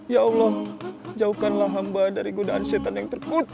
ya allah jauhkanlah hamba dari godaan setan yang terkuat